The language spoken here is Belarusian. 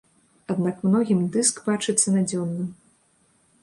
Аднак многім дыск бачыцца надзённым.